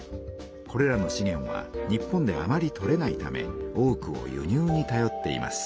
これらのしげんは日本であまりとれないため多くを輸入にたよっています。